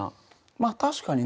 まあ確かにね。